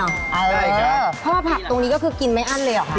อร่อยค่ะเพราะว่าผักตรงนี้ก็คือกินไม่อั้นเลยหรอค่ะ